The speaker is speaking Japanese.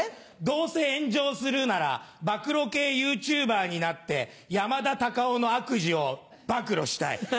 「どうせ炎上するなら暴露系ＹｏｕＴｕｂｅｒになって山田隆夫の悪事を暴露したい」。